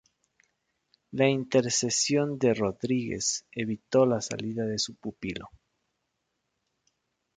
La intercesión de Rodríguez evitó la salida de su pupilo.